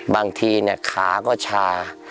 บางทีเนี่ยขาก็ชา